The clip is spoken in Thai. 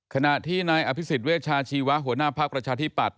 ขณะที่นายอภิษฎเวชาชีวะหัวหน้าภักดิ์ประชาธิปัตย